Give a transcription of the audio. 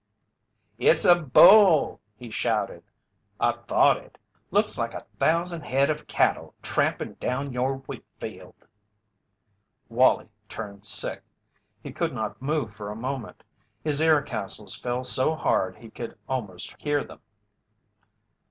"It's a bull!" he shouted. "I thought it. Looks like a thousand head of cattle tramplin' down your wheat field!" Wallie turned sick. He could not move for a moment. His air castles fell so hard he could almost hear them.